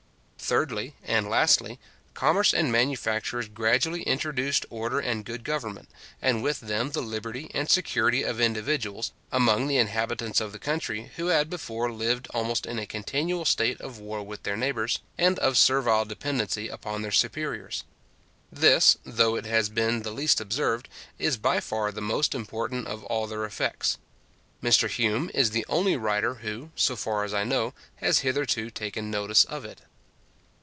Thirdly, and lastly, commerce and manufactures gradually introduced order and good government, and with them the liberty and security of individuals, among the inhabitants of the country, who had before lived almost in a continual state of war with their neighbours, and of servile dependency upon their superiors. This, though it has been the least observed, is by far the most important of all their effects. Mr Hume is the only writer who, so far as I know, has hitherto taken notice of it.